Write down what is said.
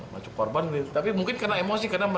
masuk korban gitu tapi mungkin karena emosi